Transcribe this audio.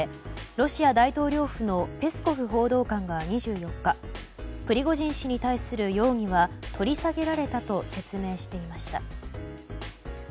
ロシア大統領府のペスコフ報道官が２４日、プリゴジン氏に対する容疑は取り下げられたと説明していました。